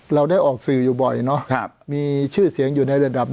เราได้ออกสื่ออยู่บ่อยเนอะมีชื่อเสียงอยู่ในระดับ